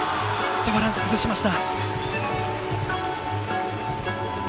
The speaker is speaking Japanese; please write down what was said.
バランスを崩しました。